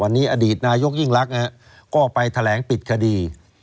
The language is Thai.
วันนี้อดีตนายกยิ่งรักก็ไปแถลงปิดคดี